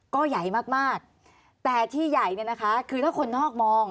ก็ใหญ่มากมากแต่ที่ใหญ่เนี่ยนะคะคือถ้าคนนอกมอง